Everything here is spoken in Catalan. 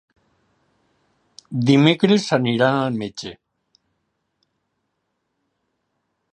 Dimecres aniran al metge.